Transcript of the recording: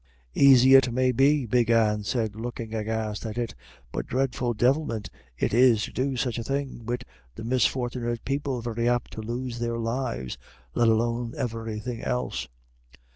"Aisy it may be," Big Anne said, looking aghast at it, "but dreadful divilment it is to do such a thing, wid the misfort'nit people very apt to lose their lives, let alone everythin' else."